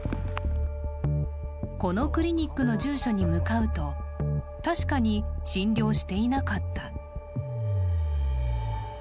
このクリニックの住所に向かうと、確かに診療していなかった。